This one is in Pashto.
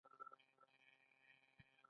• مطالعه د فکرونو نوې دنیا پرانیزي.